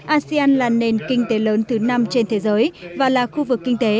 asean là nền kinh tế lớn thứ năm trên thế giới và là khu vực kinh tế